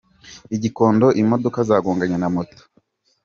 I Gikondo imodoka zagonganye na moto